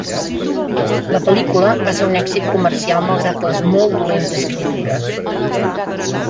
La pel·lícula va ser un èxit comercial malgrat les molt dolentes crítiques.